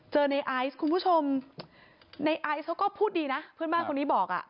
ในไอซ์คุณผู้ชมในไอซ์เขาก็พูดดีนะเพื่อนบ้านคนนี้บอกอ่ะ